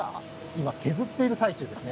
今削っている最中ですね。